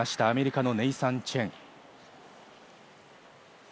アメリカのネイサン・チェン。